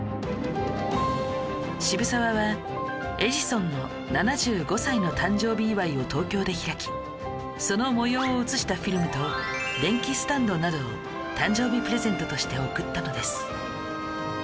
渋沢はエジソンの７５歳の誕生日祝いを東京で開きその模様を映したフィルムと電気スタンドなどを誕生日プレゼントとして贈ったのです